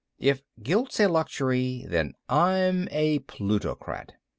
If guilt's a luxury, then I'm a plutocrat.